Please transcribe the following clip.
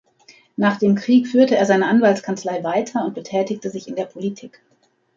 Nach dem Krieg führte er seine Anwaltskanzlei weiter und betätigte sich in der Politik.